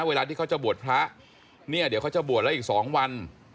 เวลาที่เขาจะบวชพระเนี่ยเดี๋ยวเขาจะบวชแล้วอีก๒วัน